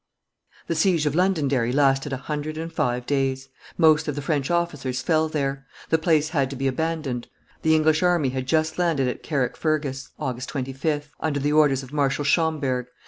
The siege of Londonderry lasted a hundred and five days; most of the French officers fell there; the place had to be abandoned; the English army had just landed at Carrickfergus (August 25), under the orders of Marshal Schomberg.